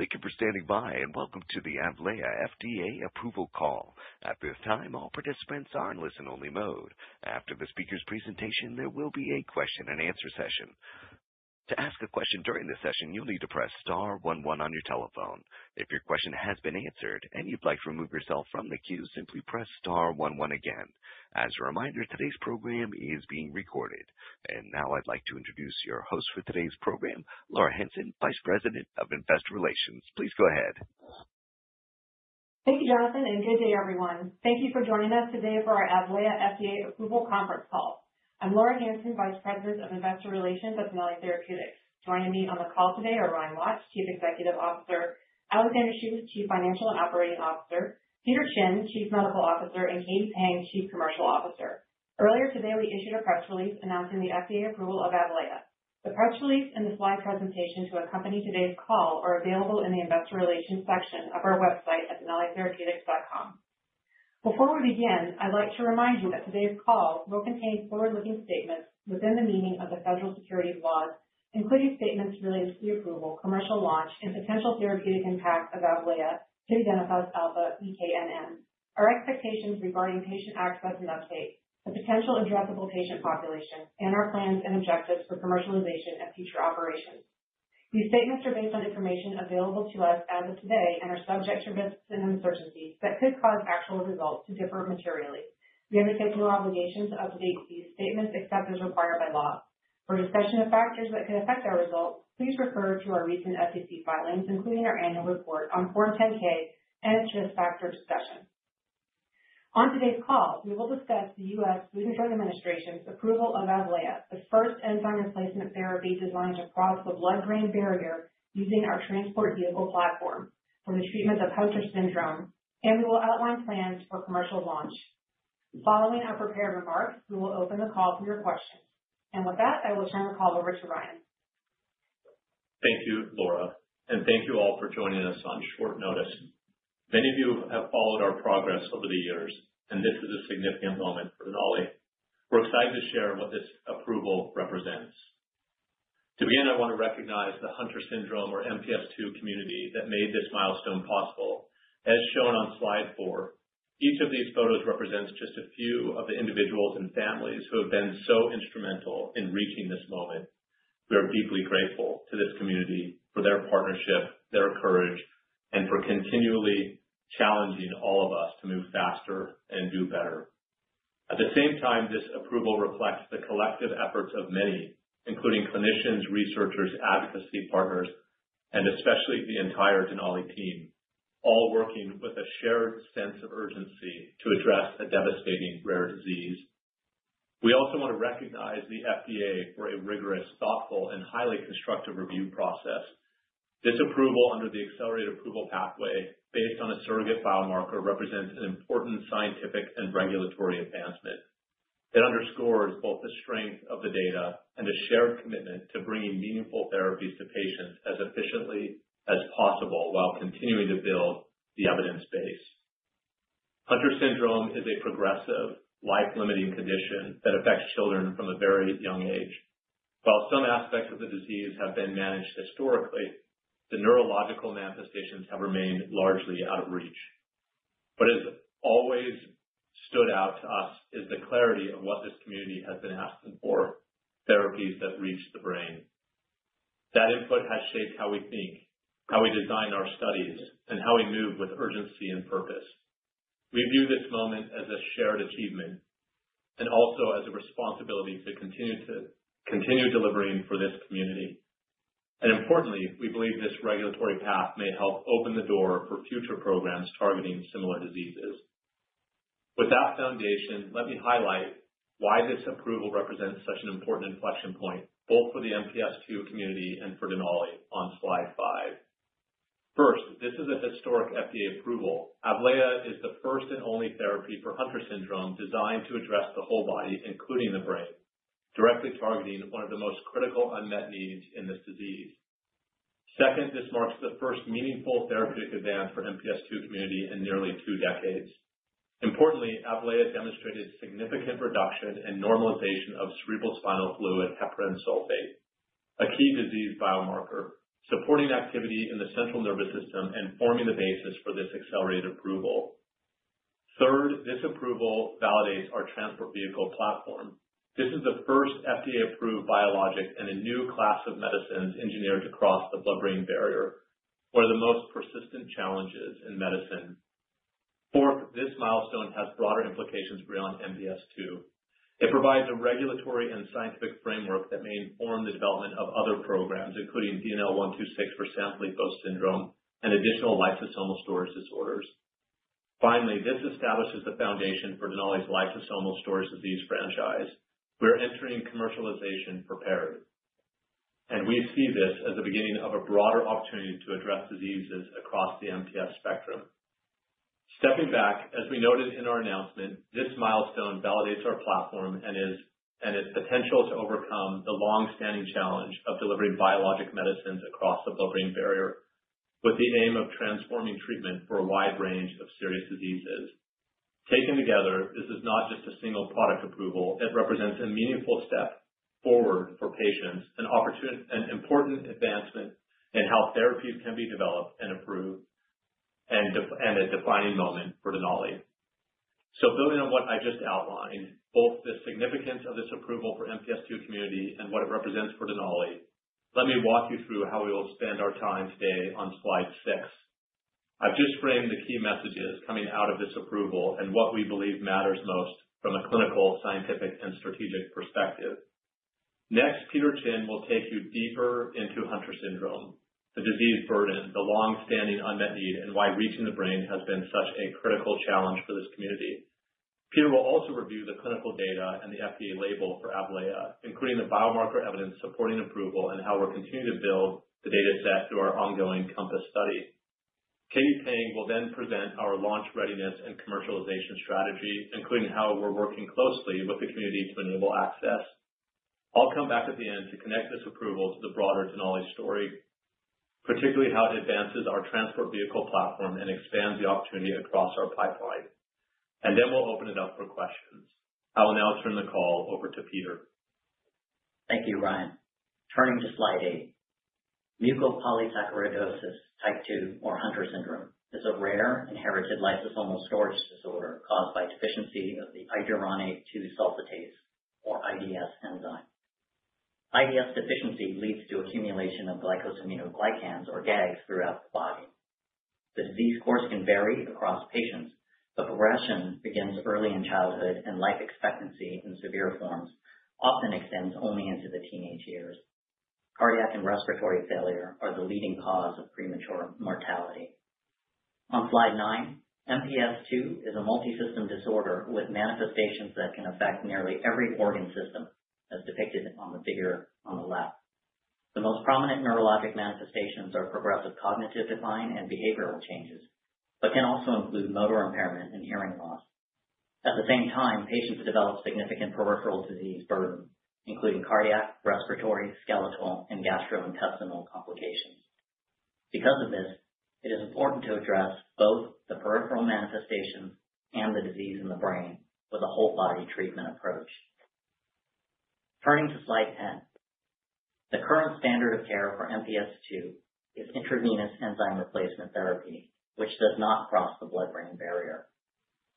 Thank you for standing by, and welcome to the AVLAYAH FDA approval call. At this time, all participants are in listen-only mode. After the speaker's presentation, there will be a question-and-answer session. To ask a question during the session, you'll need to press star one one on your telephone. If your question has been answered and you'd like to remove yourself from the queue, simply press star one one again. As a reminder, today's program is being recorded. Now I'd like to introduce your host for today's program, Laura Hansen, Vice President of Investor Relations. Please go ahead. Thank you, Jonathan, and good day, everyone. Thank you for joining us today for our AVLAYAH FDA approval conference call. I'm Laura Hansen, Vice President of Investor Relations at Denali Therapeutics. Joining me on the call today are Ryan Watts, Chief Executive Officer; Alexander Schuth, Chief Financial and Operating Officer; Peter Chin, Chief Medical Officer; and Katie Peng, Chief Commercial Officer. Earlier today, we issued a press release announcing the FDA approval of AVLAYAH. The press release and the slide presentation to accompany today's call are available in the investor relations section of our website at denalitherapeutics.com. Before we begin, I'd like to remind you that today's call will contain forward-looking statements within the meaning of the federal securities laws, including statements related to the approval, commercial launch, and potential therapeutic impact of AVLAYAH, tividenofusp alfa-eknm. Our expectations regarding patient access and update the potential addressable patient population and our plans and objectives for commercialization and future operations. These statements are based on information available to us as of today and are subject to risks and uncertainties that could cause actual results to differ materially. We undertake no obligation to update these statements except as required by law. For a discussion of factors that could affect our results, please refer to our recent SEC filings, including our annual report on Form 10-K and its risk factor discussion. On today's call, we will discuss the U.S. Food and Drug Administration's approval of AVLAYAH, the first enzyme replacement therapy designed to cross the blood-brain barrier using our Transport Vehicle platform for the treatment of Hunter syndrome, and we will outline plans for commercial launch. Following our prepared remarks, we will open the call to your questions. With that, I will turn the call over to Ryan. Thank you, Laura, and thank you all for joining us on short notice. Many of you have followed our progress over the years and this is a significant moment for Denali. We're excited to share what this approval represents. To begin, I wanna recognize the Hunter syndrome or MPS II community that made this milestone possible. As shown on slide four, each of these photos represents just a few of the individuals and families who have been so instrumental in reaching this moment. We are deeply grateful to this community for their partnership, their courage, and for continually challenging all of us to move faster and do better. At the same time, this approval reflects the collective efforts of many, including clinicians, researchers, advocacy partners, and especially the entire Denali team, all working with a shared sense of urgency to address a devastating rare disease. We also want to recognize the FDA for a rigorous, thoughtful, and highly constructive review process. This approval under the accelerated approval pathway based on a surrogate biomarker represents an important scientific and regulatory advancement. It underscores both the strength of the data and a shared commitment to bringing meaningful therapies to patients as efficiently as possible while continuing to build the evidence base. Hunter syndrome is a progressive, life-limiting condition that affects children from a very young age. While some aspects of the disease have been managed historically, the neurological manifestations have remained largely out of reach. What has always stood out to us is the clarity of what this community has been asking for, therapies that reach the brain. That input has shaped how we think, how we design our studies, and how we move with urgency and purpose. We view this moment as a shared achievement and also as a responsibility to continue delivering for this community. Importantly, we believe this regulatory path may help open the door for future programs targeting similar diseases. With that foundation, let me highlight why this approval represents such an important inflection point, both for the MPS II community and for Denali on slide five. First, this is a historic FDA approval. AVLAYAH is the first and only therapy for Hunter syndrome designed to address the whole body, including the brain, directly targeting one of the most critical unmet needs in this disease. Second, this marks the first meaningful therapeutic advance for MPS II community in nearly two decades. Importantly, AVLAYAH demonstrated significant reduction and normalization of cerebrospinal fluid heparan sulfate, a key disease biomarker, supporting activity in the central nervous system and forming the basis for this accelerated approval. Third, this approval validates our Transport Vehicle platform. This is the first FDA-approved biologic and a new class of medicines engineered to cross the blood-brain barrier, one of the most persistent challenges in medicine. Fourth, this milestone has broader implications beyond MPS II. It provides a regulatory and scientific framework that may inform the development of other programs, including DNL126 for Sanfilippo syndrome and additional lysosomal storage disorders. Finally, this establishes the foundation for Denali's lysosomal storage disease franchise. We're entering commercialization prepared, and we see this as the beginning of a broader opportunity to address diseases across the MPS spectrum. Stepping back, as we noted in our announcement, this milestone validates our platform and its potential to overcome the long-standing challenge of delivering biologic medicines across the blood-brain barrier with the aim of transforming treatment for a wide range of serious diseases. Taken together, this is not just a single product approval. It represents a meaningful step forward for patients, an important advancement in how therapies can be developed and approved, and a defining moment for Denali. Building on what I just outlined, both the significance of this approval for MPS II community and what it represents for Denali, let me walk you through how we will spend our time today on slide six. I've just framed the key messages coming out of this approval and what we believe matters most from a clinical, scientific, and strategic perspective. Next, Peter Chin will take you deeper into Hunter syndrome, the disease burden, the long-standing unmet need, and why reaching the brain has been such a critical challenge for this community. Peter will also review the clinical data and the FDA label for AVLAYAH, including the biomarker evidence supporting approval and how we're continuing to build the data set through our ongoing COMPASS study. Katie Peng will then present our launch readiness and commercialization strategy, including how we're working closely with the community to enable access. I'll come back at the end to connect this approval to the broader Denali story, particularly how it advances our Transport Vehicle platform and expands the opportunity across our pipeline. We'll open it up for questions. I will now turn the call over to Peter. Thank you, Ryan. Turning to slide eight. Mucopolysaccharidosis type II, or Hunter syndrome, is a rare inherited lysosomal storage disorder caused by deficiency of the iduronate-2-sulfatase, or IDS enzyme. IDS deficiency leads to accumulation of glycosaminoglycans, or GAGs, throughout the body. The disease course can vary across patients, but progression begins early in childhood, and life expectancy in severe forms often extends only into the teenage years. Cardiac and respiratory failure are the leading cause of premature mortality. On slide nine, MPS II is a multi-system disorder with manifestations that can affect nearly every organ system, as depicted on the figure on the left. The most prominent neurologic manifestations are progressive cognitive decline and behavioral changes, but can also include motor impairment and hearing loss. At the same time, patients develop significant peripheral disease burden, including cardiac, respiratory, skeletal, and gastrointestinal complications. Because of this, it is important to address both the peripheral manifestations and the disease in the brain with a whole-body treatment approach. Turning to slide 10. The current standard of care for MPS II is intravenous enzyme replacement therapy, which does not cross the blood-brain barrier.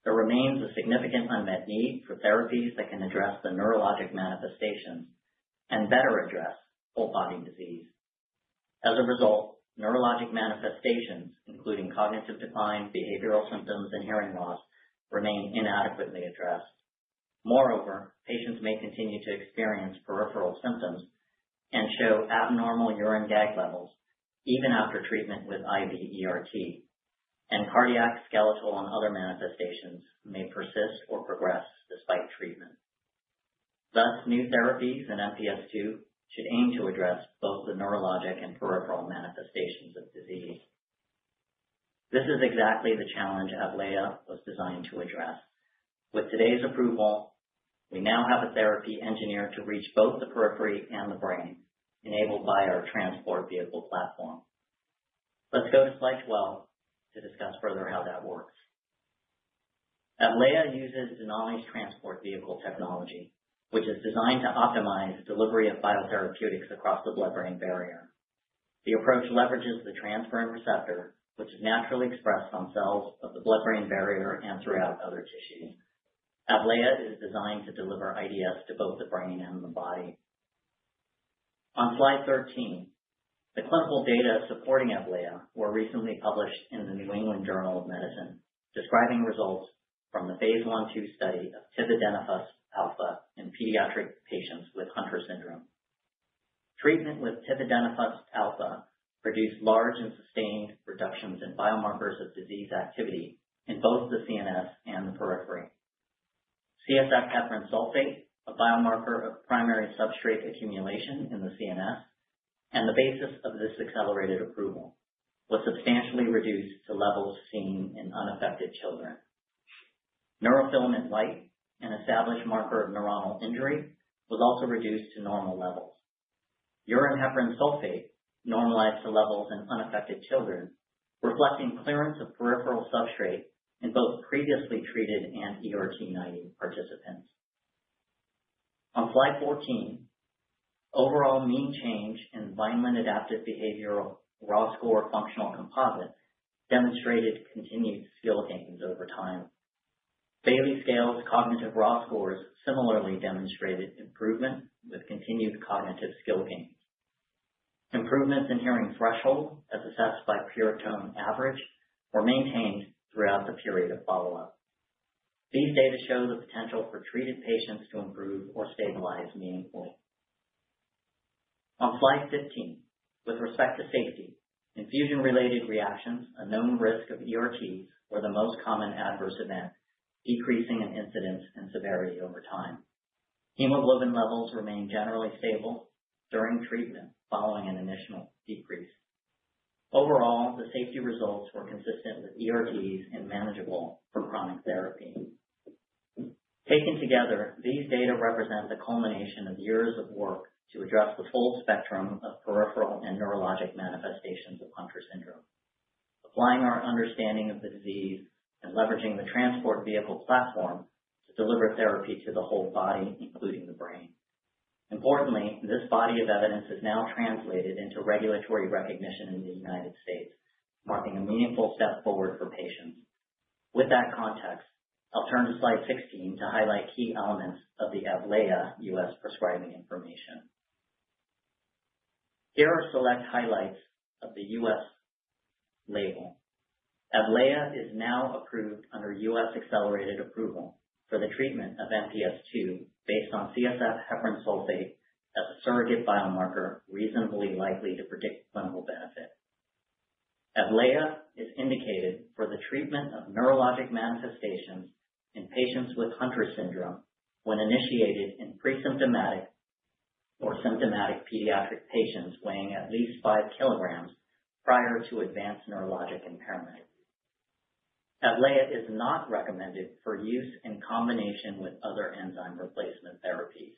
There remains a significant unmet need for therapies that can address the neurologic manifestations and better address whole body disease. As a result, neurologic manifestations, including cognitive decline, behavioral symptoms, and hearing loss, remain inadequately addressed. Moreover, patients may continue to experience peripheral symptoms and show abnormal urine GAG levels even after treatment with IV ERT. Cardiac, skeletal, and other manifestations may persist or progress despite treatment. Thus, new therapies in MPS II should aim to address both the neurologic and peripheral manifestations of disease. This is exactly the challenge AVLAYAH was designed to address. With today's approval, we now have a therapy engineered to reach both the periphery and the brain, enabled by our transport vehicle platform. Let's go to slide 12 to discuss further how that works. AVLAYAH uses Denali's transport vehicle technology, which is designed to optimize delivery of biotherapeutics across the blood-brain barrier. The approach leverages the transferrin receptor, which is naturally expressed on cells of the blood-brain barrier and throughout other tissues. AVLAYAH is designed to deliver IDS to both the brain and the body. On slide 13, the clinical data supporting AVLAYAH were recently published in the New England Journal of Medicine, describing results from the phase I/II study of tividenofusp alfa in pediatric patients with Hunter syndrome. Treatment with tividenofusp alfa produced large and sustained reductions in biomarkers of disease activity in both the CNS and the periphery. CSF heparan sulfate, a biomarker of primary substrate accumulation in the CNS and the basis of this accelerated approval, was substantially reduced to levels seen in unaffected children. Neurofilament light, an established marker of neuronal injury, was also reduced to normal levels. Urine heparan sulfate normalized to levels in unaffected children, reflecting clearance of peripheral substrate in both previously treated and ERT-naive participants. On slide 14, overall mean change in Vineland Adaptive Behavior Raw Score functional composite demonstrated continued skill gains over time. Bayley Scales cognitive raw scores similarly demonstrated improvement with continued cognitive skill gains. Improvements in hearing threshold, as assessed by pure tone average, were maintained throughout the period of follow-up. These data show the potential for treated patients to improve or stabilize meaningfully. On slide 15, with respect to safety, infusion-related reactions, a known risk of ERT, were the most common adverse event, decreasing in incidence and severity over time. Hemoglobin levels remained generally stable during treatment following an initial decrease. Overall, the safety results were consistent with ERTs and manageable for chronic therapy. Taken together, these data represent the culmination of years of work to address the full spectrum of peripheral and neurologic manifestations of Hunter syndrome, applying our understanding of the disease and leveraging the Transport Vehicle platform to deliver therapy to the whole body, including the brain. Importantly, this body of evidence is now translated into regulatory recognition in the United States, marking a meaningful step forward for patients. With that context, I'll turn to slide 16 to highlight key elements of the AVLAYAH U.S. prescribing information. Here are select highlights of the U.S. label. AVLAYAH is now approved under U.S. accelerated approval for the treatment of MPS II based on CSF heparan sulfate as a surrogate biomarker reasonably likely to predict clinical benefit. AVLAYAH is indicated for the treatment of neurologic manifestations in patients with Hunter syndrome when initiated in pre-symptomatic or symptomatic pediatric patients weighing at least 5 kg prior to advanced neurologic impairment. AVLAYAH is not recommended for use in combination with other enzyme replacement therapies.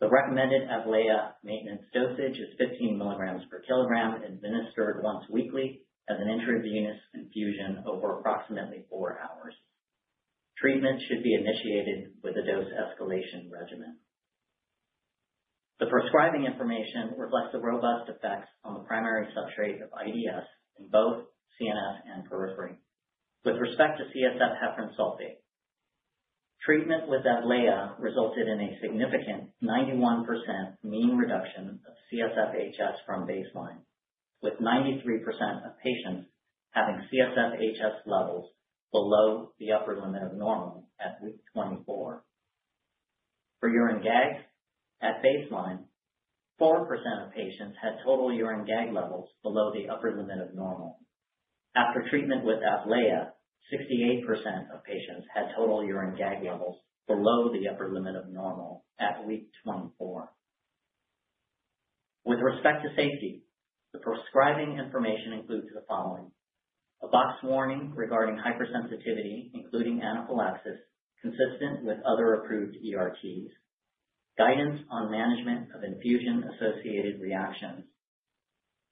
The recommended AVLAYAH maintenance dosage is 15 mg/kg, administered once weekly as an intravenous infusion over approximately four hours. Treatment should be initiated with a dose escalation regimen. The prescribing information reflects the robust effects on the primary substrate of IDS in both CNS and periphery. With respect to CSF heparan sulfate, treatment with AVLAYAH resulted in a significant 91% mean reduction of CSF HS from baseline, with 93% of patients having CSF HS levels below the upper limit of normal at week 24. For urine GAG, at baseline, 4% of patients had total urine GAG levels below the upper limit of normal. After treatment with AVLAYAH, 68% of patients had total urine GAG levels below the upper limit of normal at week 24. With respect to safety, the prescribing information includes the following. A box warning regarding hypersensitivity, including anaphylaxis, consistent with other approved ERTs. Guidance on management of infusion-associated reactions.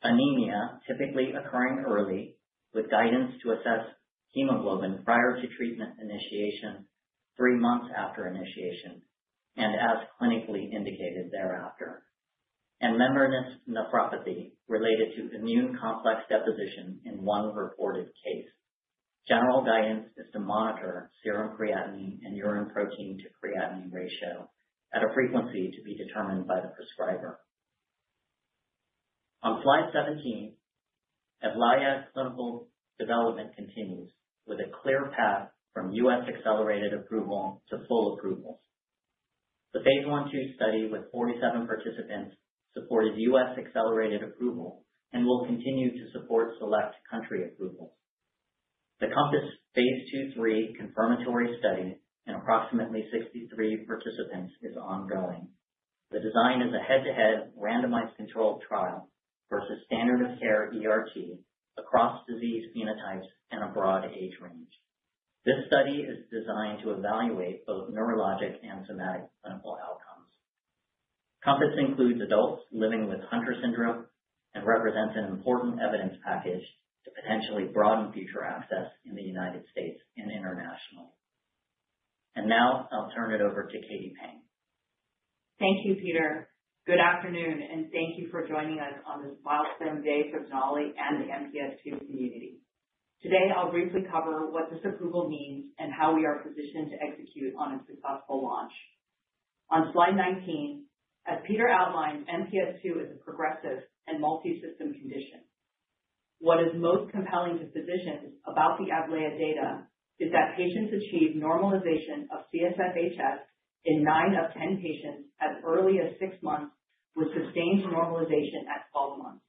Anemia typically occurring early, with guidance to assess hemoglobin prior to treatment initiation three months after initiation and as clinically indicated thereafter. Membranous nephropathy related to immune complex deposition in one reported case. General guidance is to monitor serum creatinine and urine protein to creatinine ratio at a frequency to be determined by the prescriber. On slide 17, AVLAYAH's clinical development continues with a clear path from U.S. accelerated approval to full approval. The phase I/II study with 47 participants supported U.S. accelerated approval and will continue to support select country approvals. The COMPASS phase II/III confirmatory study in approximately 63 participants is ongoing. The design is a head-to-head randomized controlled trial versus standard of care ERT across disease phenotypes and a broad age range. This study is designed to evaluate both neurologic and somatic clinical outcomes. COMPASS includes adults living with Hunter syndrome and represents an important evidence package to potentially broaden future access in the United States and internationally. Now I'll turn it over to Katie Peng. Thank you, Peter. Good afternoon, and thank you for joining us on this milestone day for Denali and the MPS II community. Today, I'll briefly cover what this approval means and how we are positioned to execute on a successful launch. On slide 19, as Peter outlined, MPS II is a progressive and multi-system condition. What is most compelling to physicians about the AVLAYAH data is that patients achieve normalization of CSF HS in nine of 10 patients as early as six months, with sustained normalization at 12 months.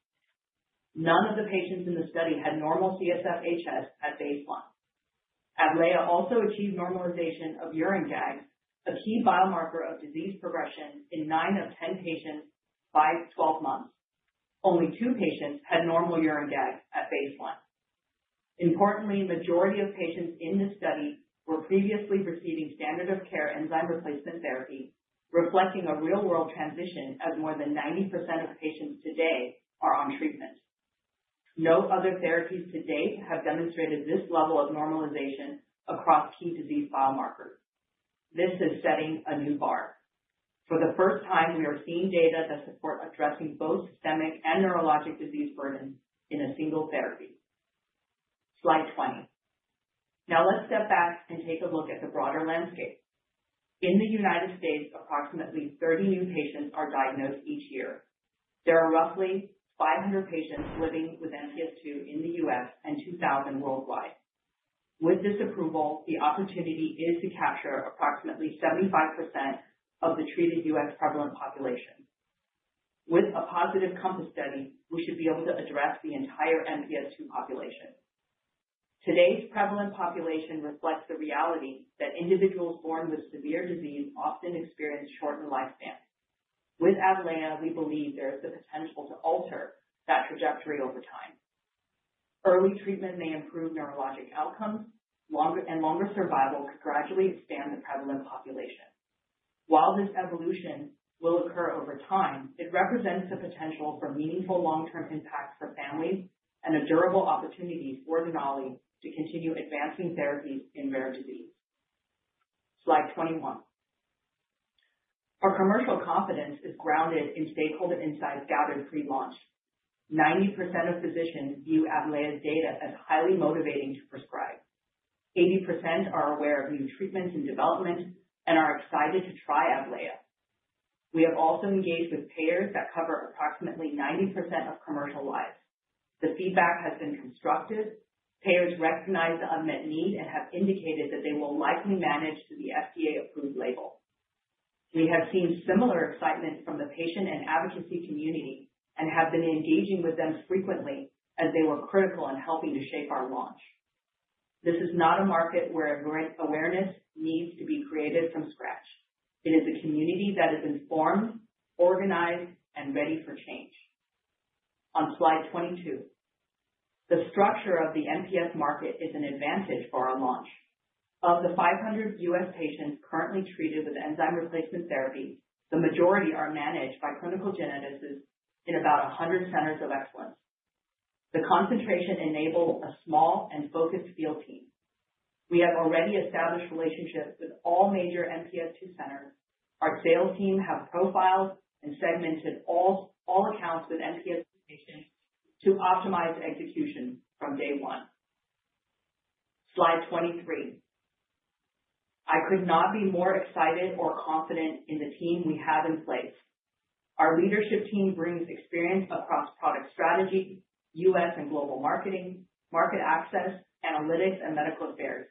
None of the patients in the study had normal CSF HS at baseline. AVLAYAH also achieved normalization of urine GAG, a key biomarker of disease progression, in nine of 10 patients by 12 months. Only two patients had normal urine GAG at baseline. Importantly, majority of patients in this study were previously receiving standard of care enzyme replacement therapy, reflecting a real-world transition, as more than 90% of patients today are on treatment. No other therapies to date have demonstrated this level of normalization across key disease biomarkers. This is setting a new bar. For the first time, we are seeing data that support addressing both systemic and neurologic disease burdens in a single therapy. Slide 20. Now let's step back and take a look at the broader landscape. In the United States, approximately 30 new patients are diagnosed each year. There are roughly 500 patients living with MPS II in the U.S. and 2,000 worldwide. With this approval, the opportunity is to capture approximately 75% of the treated U.S. prevalent population. With a positive COMPASS study, we should be able to address the entire MPS II population. Today's prevalent population reflects the reality that individuals born with severe disease often experience shortened lifespan. With AVLAYAH, we believe there is the potential to alter that trajectory over time. Early treatment may improve neurologic outcomes longer, and longer survival could gradually expand the prevalent population. While this evolution will occur over time, it represents the potential for meaningful long-term impact for families and a durable opportunity for Denali to continue advancing therapies in rare disease. Slide 21. Our commercial confidence is grounded in stakeholder insights gathered pre-launch. 90% of physicians view AVLAYAH's data as highly motivating to prescribe. 80% are aware of new treatments in development and are excited to try AVLAYAH. We have also engaged with payers that cover approximately 90% of commercial lives. The feedback has been constructive. Payers recognize the unmet need and have indicated that they will likely manage to the FDA-approved label. We have seen similar excitement from the patient and advocacy community and have been engaging with them frequently as they were critical in helping to shape our launch. This is not a market where awareness needs to be created from scratch. It is a community that is informed, organized, and ready for change. On slide 22. The structure of the MPS market is an advantage for our launch. Of the 500 U.S. patients currently treated with enzyme replacement therapy, the majority are managed by clinical geneticists in about 100 centers of excellence. The concentration enables a small and focused field team. We have already established relationships with all major MPS II centers. Our sales team have profiled and segmented all accounts with MPS patients to optimize execution from day one. Slide 23. I could not be more excited or confident in the team we have in place. Our leadership team brings experience across product strategy, U.S. and global marketing, market access, analytics, and medical affairs.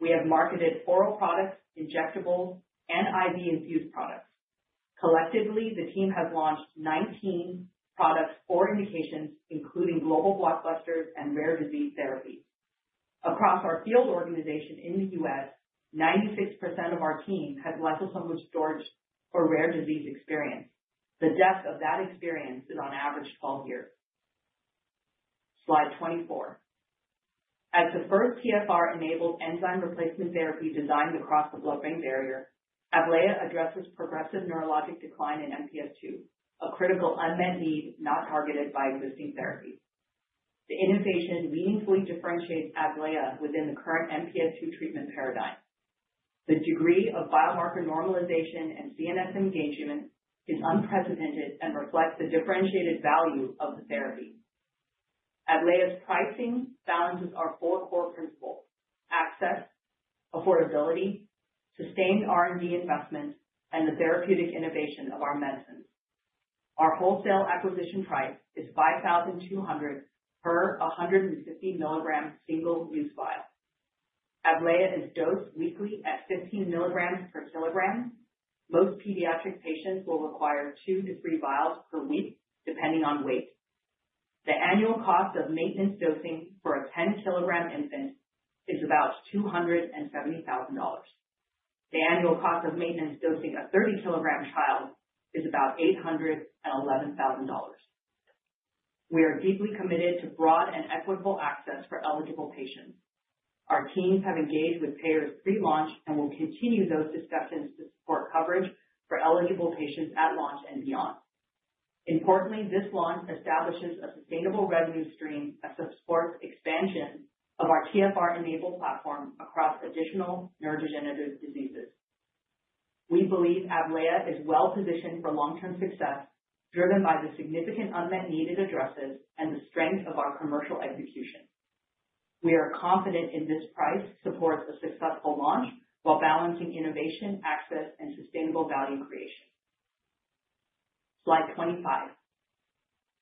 We have marketed oral products, injectables, and IV infused products. Collectively, the team has launched 19 products or indications, including global blockbusters and rare disease therapies. Across our field organization in the U.S., 96% of our team has lysosomal storage or rare disease experience. The depth of that experience is on average 12 years. Slide 24. As the first TfR-enabled enzyme replacement therapy designed to cross the blood-brain barrier, AVLAYAH addresses progressive neurologic decline in MPS II, a critical unmet need not targeted by existing therapies. The innovation meaningfully differentiates AVLAYAH within the current MPS II treatment paradigm. The degree of biomarker normalization and CNS engagement is unprecedented and reflects the differentiated value of the therapy. AVLAYAH's pricing balances our four core principles, access, affordability, sustained R&D investment, and the therapeutic innovation of our medicines. Our wholesale acquisition price is $5,200 per 150 mg single-use vial. AVLAYAH is dosed weekly at 15 mg/kg. Most pediatric patients will require two-three vials per week, depending on weight. The annual cost of maintenance dosing for a 10 kg infant is about $270,000. The annual cost of maintenance dosing a 30 kg child is about $811,000. We are deeply committed to broad and equitable access for eligible patients. Our teams have engaged with payers pre-launch and will continue those discussions to support coverage for eligible patients at launch and beyond. Importantly, this launch establishes a sustainable revenue stream that supports expansion of our TfR-enabled platform across additional neurodegenerative diseases. We believe AVLAYAH is well-positioned for long-term success, driven by the significant unmet need it addresses and the strength of our commercial execution. We are confident this pricing supports a successful launch while balancing innovation, access, and sustainable value creation. Slide 25.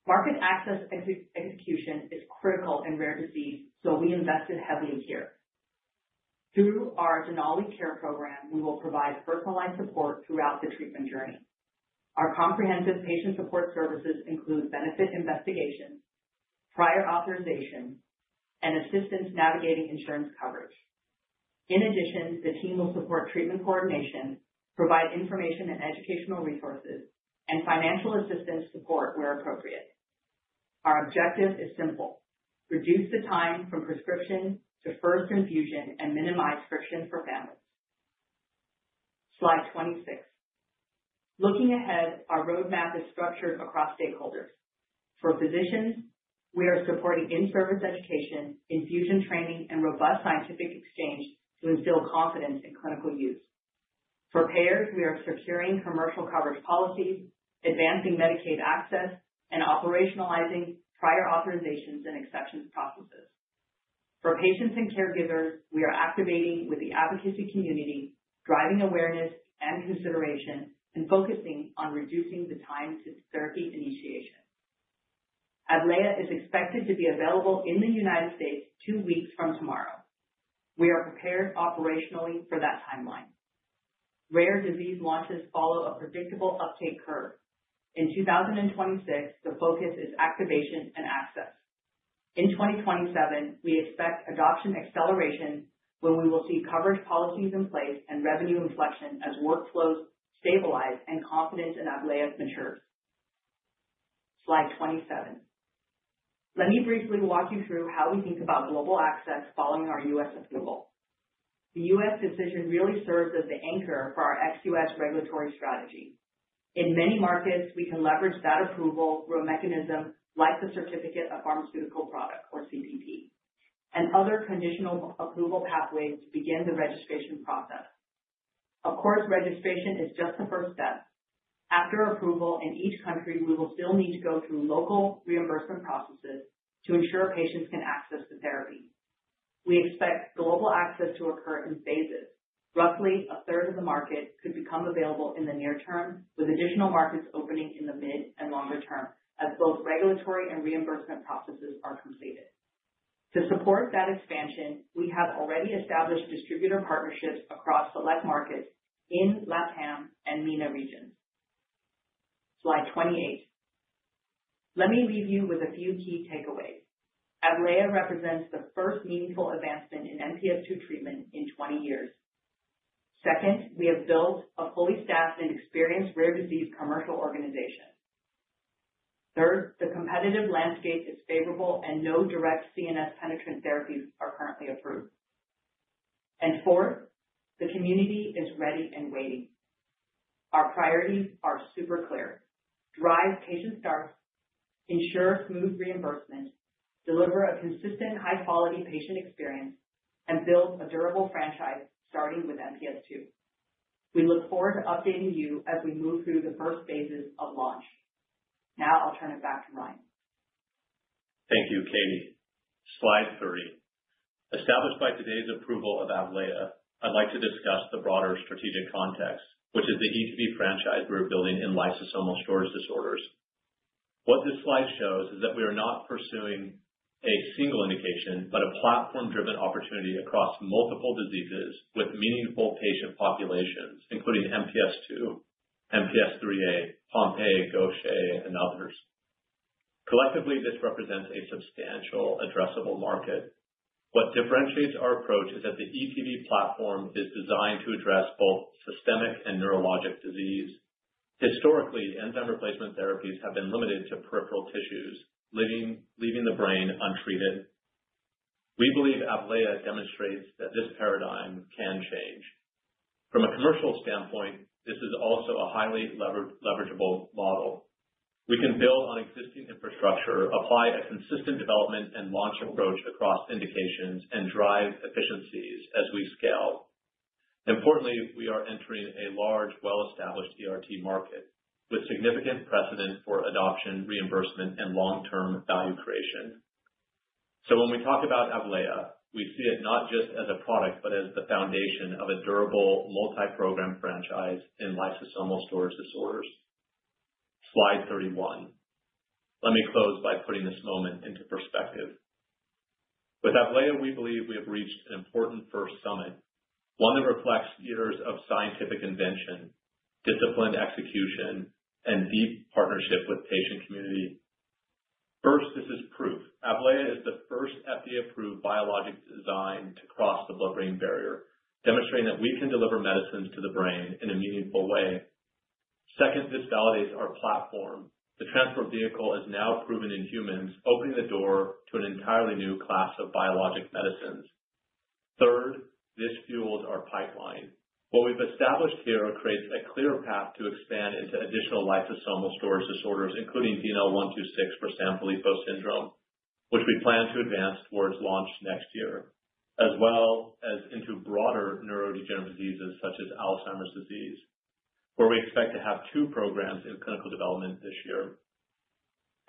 Market access execution is critical in rare disease, so we invested heavily here. Through our Denali Care Program, we will provide personalized support throughout the treatment journey. Our comprehensive patient support services include benefit investigation, prior authorization, and assistance navigating insurance coverage. In addition, the team will support treatment coordination, provide information and educational resources, and financial assistance support where appropriate. Our objective is simple. Reduce the time from prescription to first infusion and minimize friction for families. Slide 26. Looking ahead, our roadmap is structured across stakeholders. For physicians, we are supporting in-service education, infusion training, and robust scientific exchange to instill confidence in clinical use. For payers, we are securing commercial coverage policies, advancing Medicaid access, and operationalizing prior authorizations and exceptions processes. For patients and caregivers, we are activating with the advocacy community, driving awareness and consideration, and focusing on reducing the time to therapy initiation. AVLAYAH is expected to be available in the United States two weeks from tomorrow. We are prepared operationally for that timeline. Rare disease launches follow a predictable uptake curve. In 2026, the focus is activation and access. In 2027 we expect adoption acceleration when we will see coverage policies in place and revenue inflection as workflows stabilize and confidence in AVLAYAH matures. Slide 27. Let me briefly walk you through how we think about global access following our U.S. approval. The U.S. decision really serves as the anchor for our ex-U.S. regulatory strategy. In many markets, we can leverage that approval through a mechanism like the Certificate of Pharmaceutical Product, or CPP, and other conditional approval pathways to begin the registration process. Of course, registration is just the first step. After approval in each country, we will still need to go through local reimbursement processes to ensure patients can access the therapy. We expect global access to occur in phases. Roughly a third of the markets could become available in the near term, with additional markets opening in the mid and longer term as both regulatory and reimbursement processes are completed. To support that expansion, we have already established distributor partnerships across select markets in LATAM and MENA regions. Slide 28. Let me leave you with a few key takeaways. AVLAYAH represents the first meaningful advancement in MPS II treatment in 20 years. Second, we have built a fully staffed and experienced rare disease commercial organization. Third, the competitive landscape is favorable and no direct CNS penetrant therapies are currently approved. Fourth, the community is ready and waiting. Our priorities are super clear. Drive patient starts, ensure smooth reimbursement, deliver a consistent high-quality patient experience, and build a durable franchise starting with MPS II. We look forward to updating you as we move through the first phases of launch. Now I'll turn it back to Ryan. Thank you, Katie. Slide 30. Established by today's approval of AVLAYAH, I'd like to discuss the broader strategic context, which is the ETV franchise we're building in lysosomal storage disorders. What this slide shows is that we are not pursuing a single indication, but a platform-driven opportunity across multiple diseases with meaningful patient populations, including MPS II, MPS III A, Pompe, Gaucher, and others. Collectively, this represents a substantial addressable market. What differentiates our approach is that the ETV platform is designed to address both systemic and neurologic disease. Historically, enzyme replacement therapies have been limited to peripheral tissues, leaving the brain untreated. We believe AVLAYAH demonstrates that this paradigm can change. From a commercial standpoint, this is also a highly leverageable model. We can build on existing infrastructure, apply a consistent development and launch approach across indications, and drive efficiencies as we scale, Importantly, we are entering a large, well-established ERT market with significant precedent for adoption, reimbursement, and long-term value creation. When we talk about AVLAYAH, we see it not just as a product, but as the foundation of a durable multi-program franchise in lysosomal storage disorders. Slide 31. Let me close by putting this moment into perspective. With AVLAYAH, we believe we have reached an important first summit, one that reflects years of scientific invention, disciplined execution, and deep partnership with patient community. First, this is proof. AVLAYAH is the first FDA-approved biologic designed to cross the blood-brain barrier, demonstrating that we can deliver medicines to the brain in a meaningful way. Second, this validates our platform. The transport vehicle is now proven in humans, opening the door to an entirely new class of biologic medicines. Third, this fuels our pipeline. What we've established here creates a clear path to expand into additional lysosomal storage disorders, including DNL126 for Sanfilippo syndrome, which we plan to advance towards launch next year as well as into broader neurodegenerative diseases such as Alzheimer's disease, where we expect to have two programs in clinical development this year.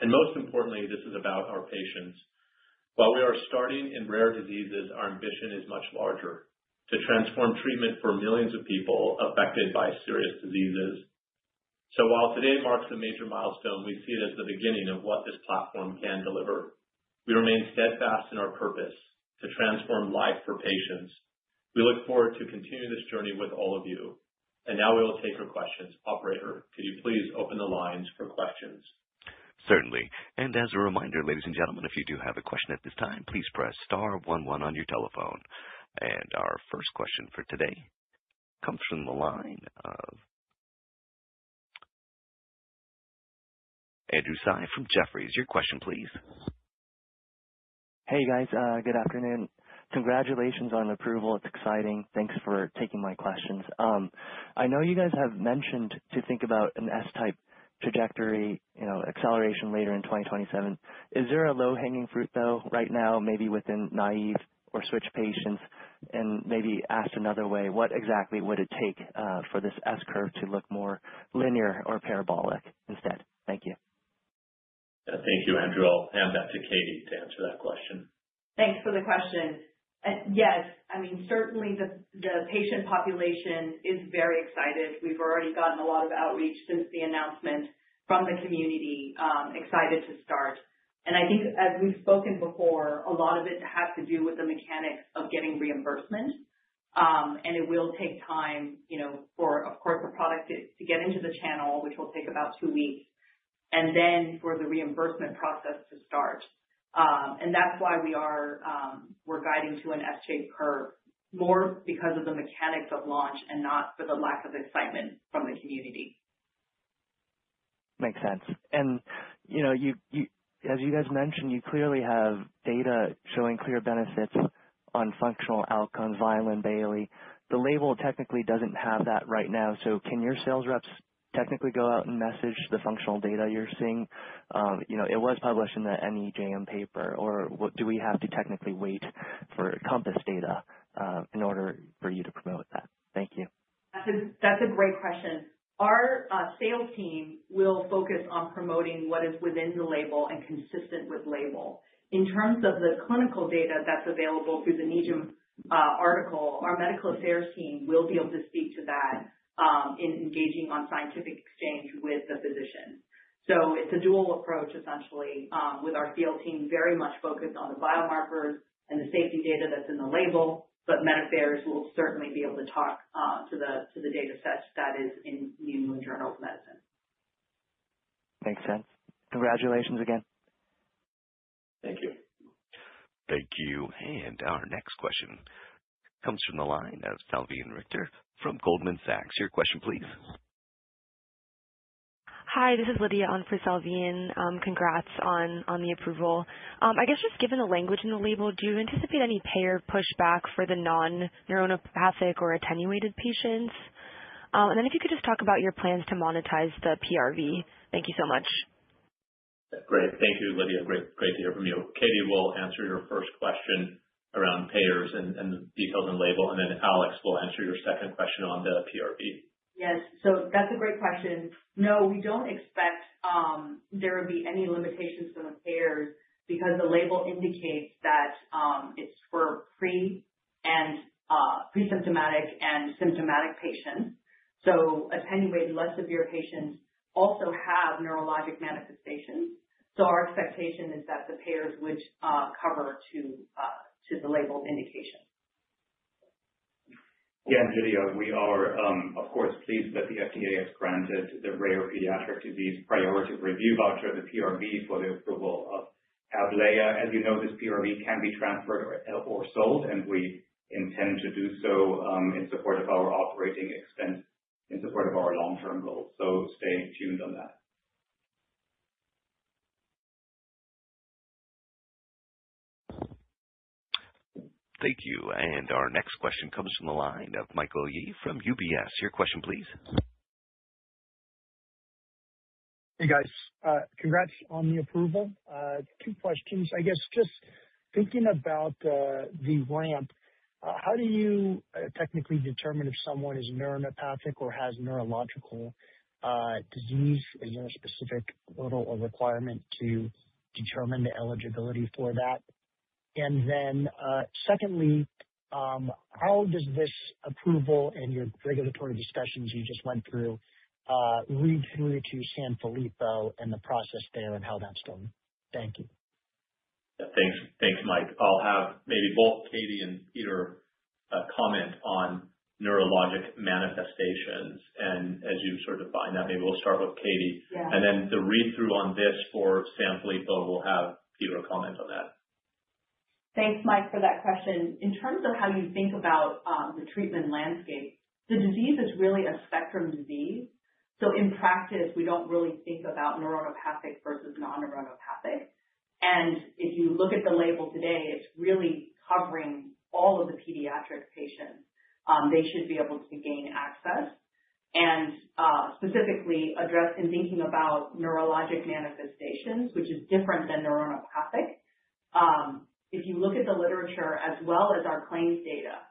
Most importantly, this is about our patients. While we are starting in rare diseases, our ambition is much larger to transform treatment for millions of people affected by serious diseases. While today marks a major milestone, we see it as the beginning of what this platform can deliver. We remain steadfast in our purpose to transform life for patients. We look forward to continuing this journey with all of you, and now we will take your questions. Operator, could you please open the lines for questions? Certainly. As a reminder, ladies and gentlemen, if you do have a question at this time, please press star one one on your telephone. Our first question for today comes from the line of Andrew Tsai from Jefferies. Your question, please. Hey, guys. Good afternoon. Congratulations on approval. It's exciting. Thanks for taking my questions. I know you guys have mentioned to think about an S-type trajectory, you know, acceleration later in 2027. Is there a low-hanging fruit, though, right now, maybe within naive or switch patients? Maybe asked another way, what exactly would it take for this S-curve to look more linear or parabolic instead? Thank you. Thank you, Andrew. I'll hand that to Katie to answer that question. Thanks for the question. Yes, I mean, certainly the patient population is very excited. We've already gotten a lot of outreach since the announcement from the community, excited to start. I think as we've spoken before, a lot of it has to do with the mechanics of getting reimbursement. It will take time, you know, for, of course, the product to get into the channel, which will take about two weeks, then for the reimbursement process to start. That's why we're guiding to an S-curve more because of the mechanics of launch and not for the lack of excitement from the community. Makes sense. You know, as you guys mentioned, you clearly have data showing clear benefits on functional outcomes, Vineland and Bayley. The label technically doesn't have that right now. Can your sales reps technically go out and message the functional data you're seeing? You know, it was published in the NEJM paper. Or what do we have to technically wait for COMPASS data in order for you to promote that? Thank you. That's a great question. Our sales team will focus on promoting what is within the label and consistent with label. In terms of the clinical data that's available through the NEJM article, our medical affairs team will be able to speak to that in engaging on scientific exchange with the physician. It's a dual approach, essentially, with our field team very much focused on the biomarkers and the safety data that's in the label. Medical affairs will certainly be able to talk to the data set that is in The New England Journal of Medicine. Makes sense. Congratulations again. Thank you. Thank you. Our next question comes from the line of Salveen Richter from Goldman Sachs. Your question please. Hi, this is Lydia on for Salveen. Congrats on the approval. I guess just given the language in the label, do you anticipate any payer pushback for the non-neuropathic or attenuated patients? If you could just talk about your plans to monetize the PRV. Thank you so much. Great. Thank you, Lydia. Great to hear from you. Katie will answer your first question around payers and the details and label, and then Alex will answer your second question on the PRV. Yes. That's a great question. No, we don't expect there would be any limitations from the payers because the label indicates that it's for pre and presymptomatic and symptomatic patients. Attenuated, less severe patients also have neurologic manifestations. Our expectation is that the payers would cover to the label indication. Yeah. Lydia, we are, of course, pleased that the FDA has granted the Rare Pediatric Disease Priority Review Voucher, the PRV, for the approval of AVLAYAH. As we know, this PRV can be transferred or sold, and we intend to do so, in support of our operating expense, in support of our long-term goals. Stay tuned on that. Thank you. Our next question comes from the line of Michael Yee from UBS. Your question please. Hey, guys. Congrats on the approval. Two questions. I guess just thinking about the ramp, how do you technically determine if someone is neuropathic or has neurological disease? Is there a specific criteria or requirement to determine the eligibility for that? And then, secondly, how does this approval and your regulatory discussions you just went through read through to Sanfilippo and the process there and how that's going? Thank you. Thanks. Thanks, Mike. I'll have maybe both Katie and Peter comment on neurologic manifestations. As you sort of find that, maybe we'll start with Katie. Yeah. The read-through on this for Sanfilippo, we'll have Peter comment on that. Thanks, Mike, for that question. In terms of how you think about the treatment landscape, the disease is really a spectrum disease. In practice, we don't really think about neuronopathic versus non-neuronopathic. If you look at the label today, it's really covering all of the pediatric patients. They should be able to gain access. It's specifically addressed in thinking about neurologic manifestations, which is different than neuronopathic. If you look at the literature as well as our claims data,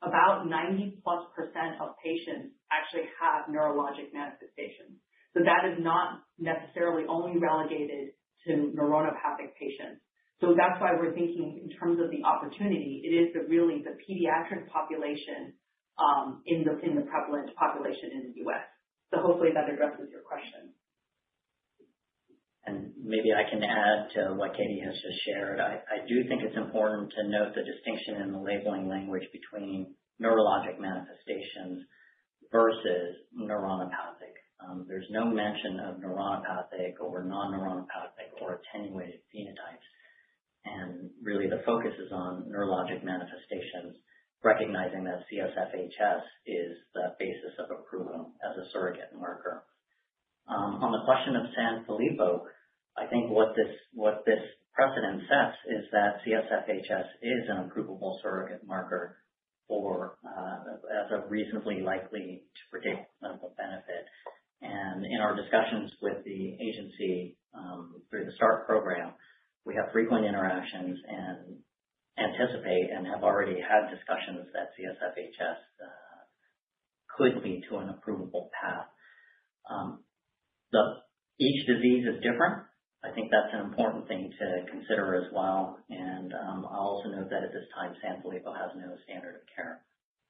about 90%+ of patients actually have neurologic manifestations. That is not necessarily only relegated to neuronopathic patients. That's why we're thinking in terms of the opportunity, it is really the pediatric population in the prevalent population in the U.S. Hopefully that addresses your question. Maybe I can add to what Katie has just shared. I do think it's important to note the distinction in the labeling language between neurologic manifestations versus neuropathic. There's no mention of neuropathic or non-neuropathic or attenuated phenotypes. Really the focus is on neurologic manifestations, recognizing that CSFHS is the basis of approval as a surrogate marker. On the question of Sanfilippo, I think what this precedent sets is that CSFHS is an approvable surrogate marker for as a reasonably likely to predict clinical benefit. In our discussions with the agency, through the START program, we have frequent interactions and anticipate and have already had discussions that CSFHS could lead to an approvable path. Each disease is different. I think that's an important thing to consider as well. I'll also note that at this time, Sanfilippo has no standard of care,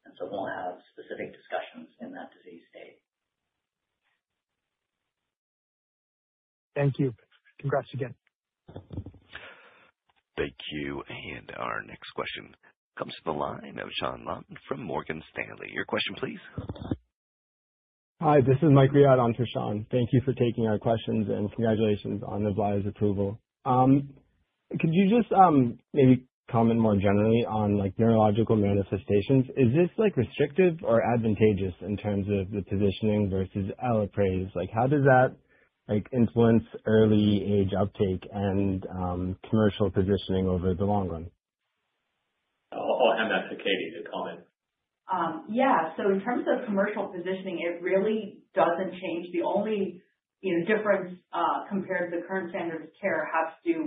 and so we'll have specific discussions in that disease state. Thank you. Congrats again. Thank you. Our next question comes from the line of Sean Motton from Morgan Stanley. Your question please. Hi, this is Mike Riad on for Sean. Thank you for taking our questions, and congratulations on the AVLAYAH approval. Could you just maybe comment more generally on, like, neurological manifestations? Is this, like, restrictive or advantageous in terms of the positioning versus Elaprase? Like, how does that, like, influence early age uptake and commercial positioning over the long run? I'll hand that to Katie to comment. Yeah. In terms of commercial positioning, it really doesn't change. The only, you know, difference compared to the current standards of care has to do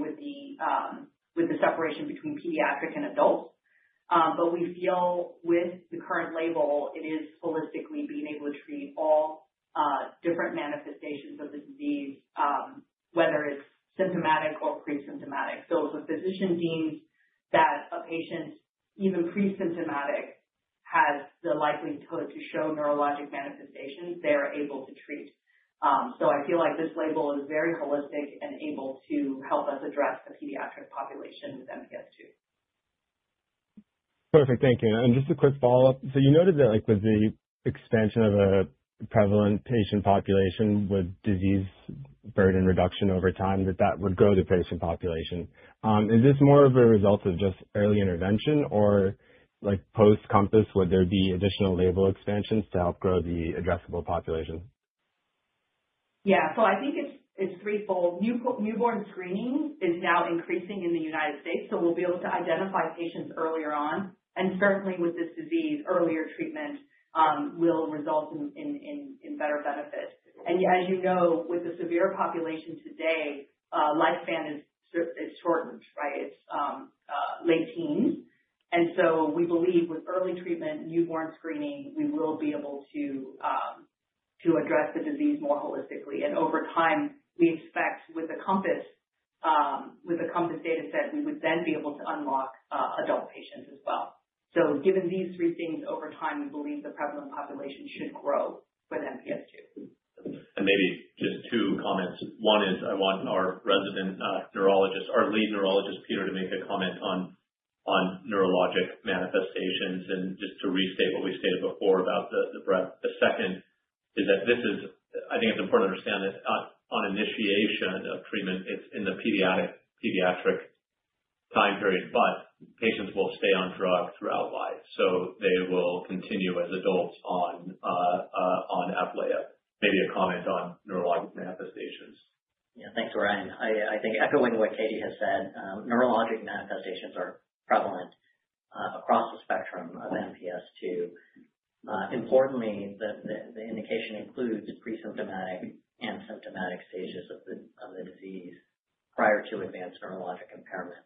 with the separation between pediatric and adult. We feel with the current label, it is holistically being able to treat all different manifestations of the disease, whether it's symptomatic or pre-symptomatic. If a physician deems that a patient, even pre-symptomatic, has the likelihood to show neurologic manifestations, they are able to treat. I feel like this label is very holistic and able to help us address the pediatric population with MPS II. Perfect. Thank you. Just a quick follow-up. You noted that, like, with the expansion of a prevalent patient population with disease burden reduction over time, that would grow the patient population. Is this more of a result of just early intervention or, like, post COMPASS, would there be additional label expansions to help grow the addressable population? Yeah. I think it's threefold. Newborn screening is now increasing in the United States, so we'll be able to identify patients earlier on. Certainly with this disease, earlier treatment will result in better benefits. As you know, with the severe population today, lifespan is shortened, right? It's late teens. We believe with early treatment, newborn screening, we will be able to address the disease more holistically. Over time, we expect with the COMPASS data set, we would then be able to unlock adult patients as well. Given these three things over time, we believe the prevalent population should grow with MPS II. Maybe just two comments. One is I want our resident neurologist, our lead neurologist, Peter, to make a comment on neurologic manifestations and just to restate what we stated before about the breadth. The second is that this is. I think it's important to understand this. On initiation of treatment, it's in the pediatric time period, but patients will stay on drug throughout life, so they will continue as adults on AVLAYAH. Maybe a comment on neurologic manifestations. Yeah. Thanks, Ryan. I think echoing what Katie has said, neurologic manifestations are prevalent across the spectrum of MPS II. Importantly, the indication includes pre-symptomatic and symptomatic stages of the disease prior to advanced neurologic impairment.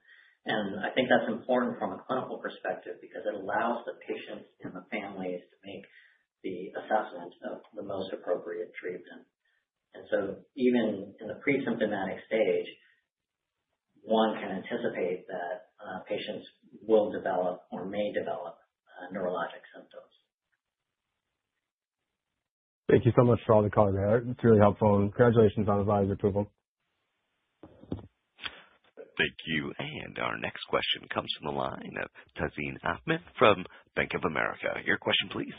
I think that's important from a clinical perspective because it allows the patients and the families to make the assessment of the most appropriate treatment. Even in the pre-symptomatic stage, one can anticipate that patients will develop or may develop neurologic symptoms. Thank you so much for all the color there. It's really helpful. Congratulations on the BLA approval. Thank you. Our next question comes from the line of Tazeen Ahmad from Bank of America. Your question please.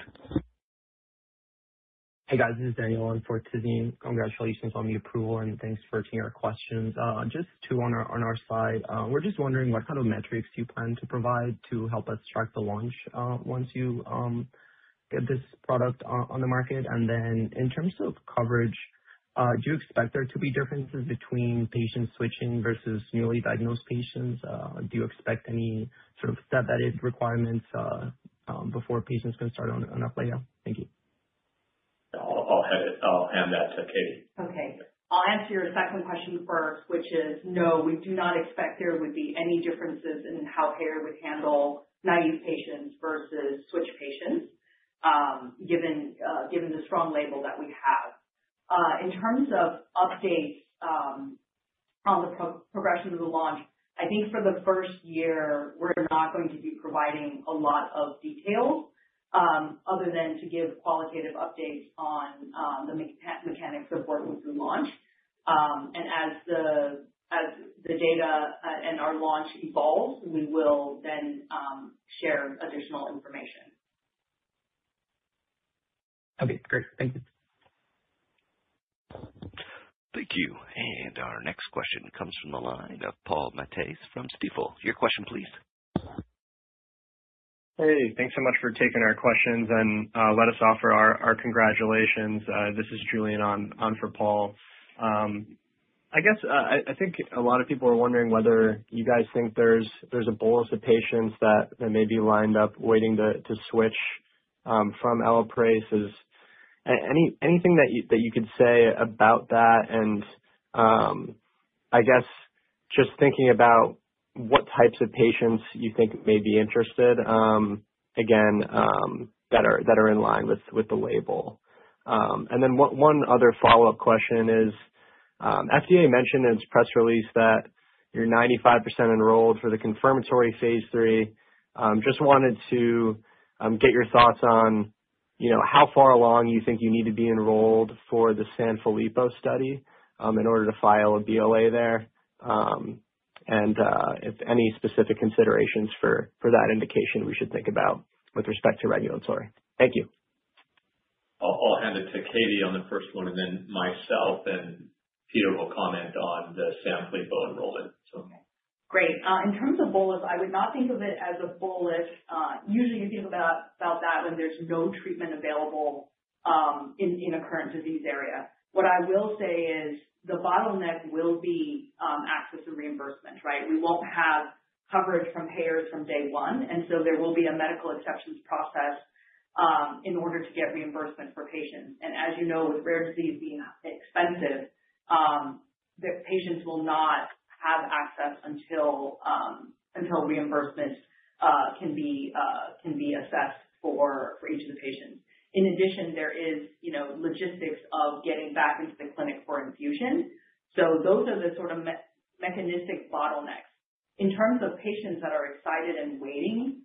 Hey, guys. This is Daniel on for Tazeen. Congratulations on the approval, and thanks for taking our questions. Just two on our side. We're just wondering what kind of metrics you plan to provide to help us track the launch, once you get this product on the market. In terms of coverage, do you expect there to be differences between patients switching versus newly diagnosed patients? Do you expect any sort of step therapy requirements before patients can start on AVLAYAH? Thank you. I'll hand that to Katie. Okay. I'll answer your second question first, which is no, we do not expect there would be any differences in how payer would handle naive patients versus switch patients, given the strong label that we have. In terms of updates on the progression of the launch, I think for the first year, we're not going to be providing a lot of details other than to give qualitative updates on the mechanics of working through launch. As the data and our launch evolves, we will then share additional information. Okay, great. Thank you. Thank you. Our next question comes from the line of Paul Matteis from Stifel. Your question, please. Hey, thanks so much for taking our questions, and let us offer our congratulations. This is Julian on for Paul. I guess I think a lot of people are wondering whether you guys think there's a bolus of patients that may be lined up waiting to switch from Elaprase. Is anything that you could say about that? I guess just thinking about what types of patients you think may be interested, again, that are in line with the label. One other follow-up question is FDA mentioned in its press release that you're 95% enrolled for the confirmatory phase III. Just wanted to get your thoughts on, you know, how far along you think you need to be enrolled for the Sanfilippo study in order to file a BLA there? If any specific considerations for that indication we should think about with respect to regulatory. Thank you. I'll hand it to Katie on the first one and then myself, and Peter will comment on the Sanfilippo enrollment. Great. In terms of bullish, I would not think of it as bullish. Usually you think about that when there's no treatment available in a current disease area. What I will say is the bottleneck will be access and reimbursement, right? We won't have coverage from payers from day one, and there will be a medical exceptions process in order to get reimbursement for patients. As you know, with rare disease being expensive, the patients will not have access until reimbursement can be assessed for each of the patients. In addition, there is, you know, logistics of getting back into the clinic for infusion. Those are the sort of mechanistic bottlenecks. In terms of patients that are excited and waiting,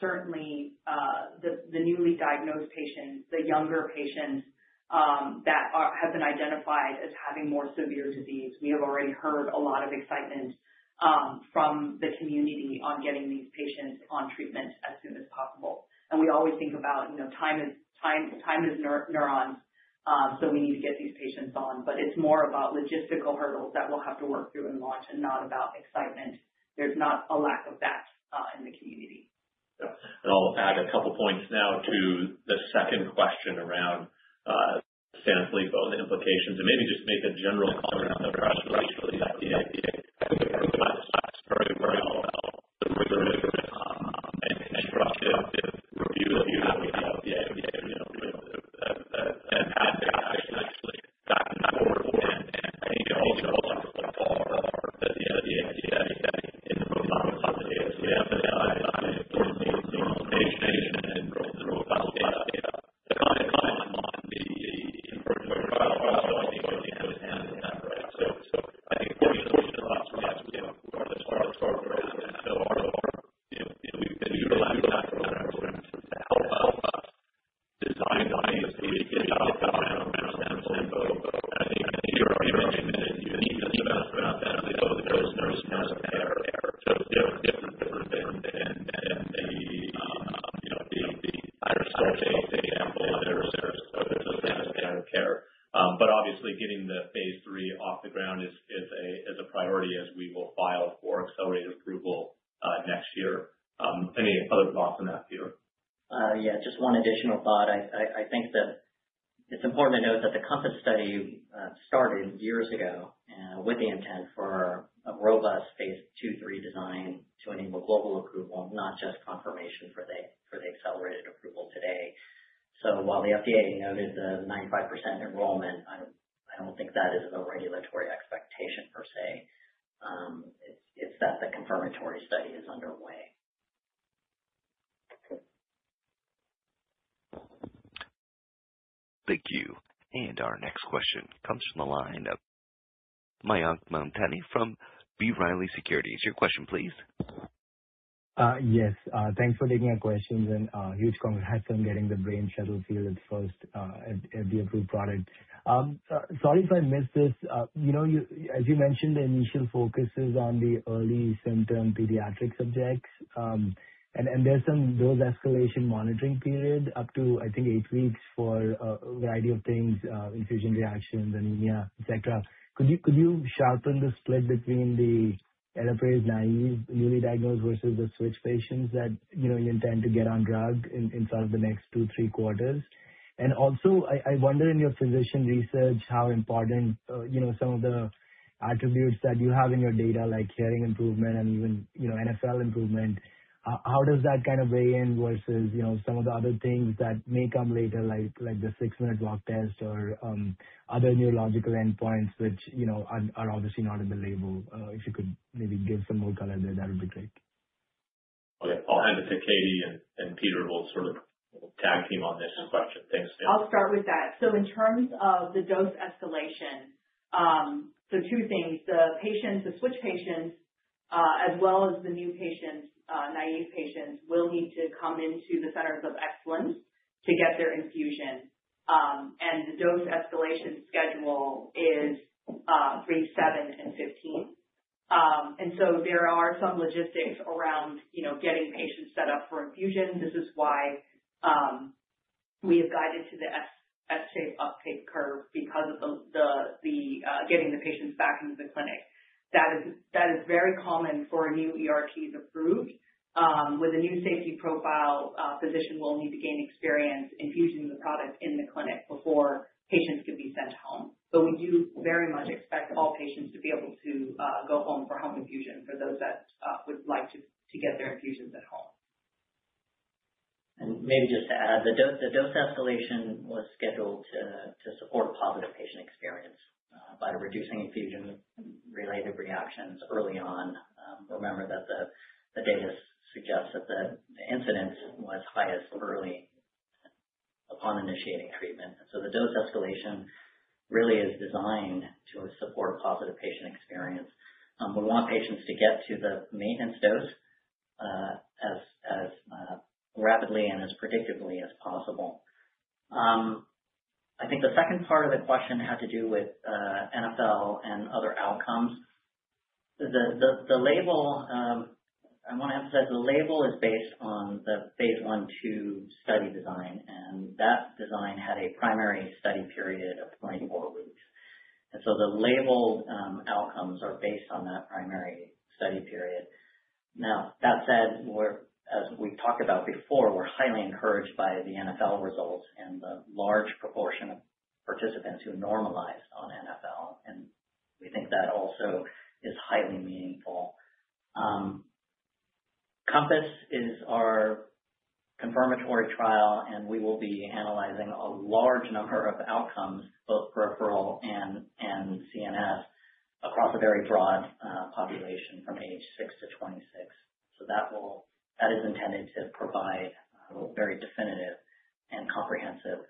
certainly, the newly diagnosed patients, the younger patients, that have been identified as having more severe disease. We have already heard a lot of excitement from the community on getting these patients on treatment as soon as possible. It's that the confirmatory study is underway. Okay. Thank you. Our next question comes from the line of Mayank Mamtani from B. Riley Securities. Your question please. Yes, thanks for taking our questions and huge congrats on getting the brain shuttle field its first FDA-approved product. Sorry if I missed this. You know, as you mentioned, the initial focus is on the early symptom pediatric subjects. There's some dose escalation monitoring period up to, I think, eight weeks for a variety of things, infusion reactions, anemia, et cetera. Could you sharpen the split between the ERT naive newly diagnosed versus the switch patients that, you know, you intend to get on drug inside of the next two, three quarters? Also, I wonder in your physician research how important, you know, some of the attributes that you have in your data, like hearing improvement and even, you know, NfL improvement. How does that kind of weigh in versus, you know, some of the other things that may come later, like the six-minute walk test or other neurological endpoints which, you know, are obviously not in the label. If you could maybe give some more color there, that would be great. Okay. I'll hand it to Katie, and Peter will sort of tag team on this question. Thanks. I'll start with that. In terms of the dose escalation, two things. The patients, the switch patients, as well as the new patients, naive patients, will need to come into the centers of excellence to get their infusion. The dose escalation schedule is three, seven, and 15th. There are some logistics around, you know, getting patients set up for infusion. This is why we have guided to the S-shaped uptake curve because of the getting the patients back into the clinic. That is very common for a new ERT that's approved with a new safety profile. Physician will need to gain experience infusing the product in the clinic before patients can be sent home. We do very much expect all patients to be able to go home for home infusion for those that would like to get their infusions at home. Maybe just to add, the dose escalation was scheduled to support positive patient experience by reducing infusion-related reactions early on. Remember that the data suggests that the incidence was highest early upon initiating treatment. The dose escalation really is designed to support positive patient experience. We want patients to get to the maintenance dose as rapidly and as predictably as possible. I think the second part of the question had to do with NfL and other outcomes. The label, I wanna emphasize the label is based on the phase I/II study design, and that design had a primary study period of 24 weeks. The labeled outcomes are based on that primary study period. Now that said, as we've talked about before, we're highly encouraged by the NfL results and the large proportion of participants who normalized on NfL, and we think that also is highly meaningful. COMPASS is our confirmatory trial, and we will be analyzing a large number of outcomes, both peripheral and CNS, across a very broad population from age six to 26. That is intended to provide a very definitive and comprehensive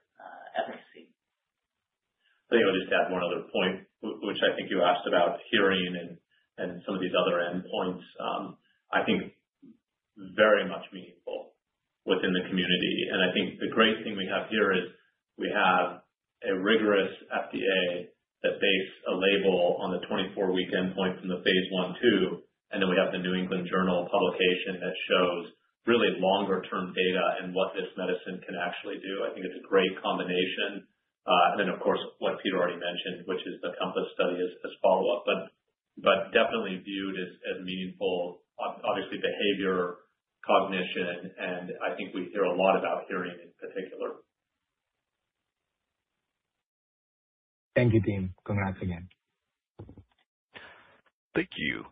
efficacy. You know, just to add one other point, which I think you asked about hearing and some of these other endpoints. I think very much meaningful within the community. I think the great thing we have here is we have a rigorous FDA that based a label on the 24-week endpoint from the phase I/II, and then we have the New England Journal of Medicine publication that shows really longer-term data and what this medicine can actually do. I think it's a great combination. And then of course, what Peter already mentioned, which is the COMPASS study as follow up. But definitely viewed as meaningful obviously behavior, cognition, and I think we hear a lot about hearing in particular. Thank you, team. Congrats again. Thank you.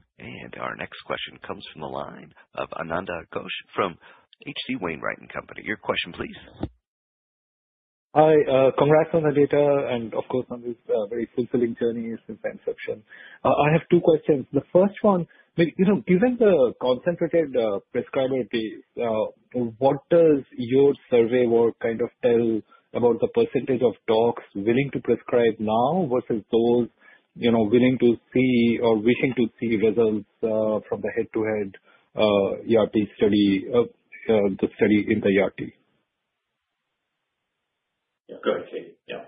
Our next question comes from the line of Ananda Ghosh from H.C. Wainwright & Co. Your question please. Hi, congrats on the data and of course on this very fulfilling journey since inception. I have two questions. The first one, you know, given the concentrated prescriber base, what does your survey work kind of tell about the percentage of docs willing to prescribe now versus those, you know, willing to see or wishing to see results from the head-to-head RCT study of the study in the RCT? Go ahead, Katie. Yeah.